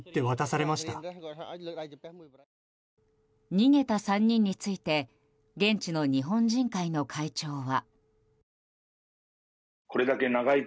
逃げた３人について現地の日本人会の会長は。